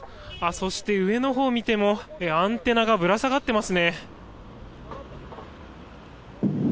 そして上のほうを見てもアンテナがぶら下がってますね。